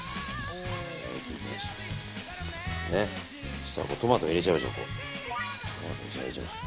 そしたらトマトも入れちゃいましょう。